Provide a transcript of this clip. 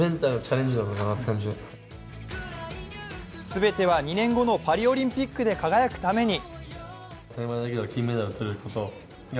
全ては２年後のパリオリンピックで輝くために。